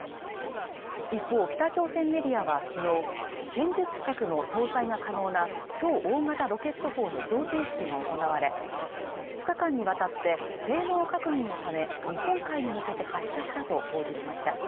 一方、北朝鮮メディアは昨日、戦術核の搭載が可能な超大型ロケット砲の贈呈式が行われ、２日間にわたって性能確認のため、日本海に向けて発射したと報じました。